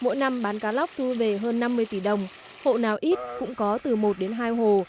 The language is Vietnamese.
mỗi năm bán cá lóc thu về hơn năm mươi tỷ đồng hộ nào ít cũng có từ một đến hai hồ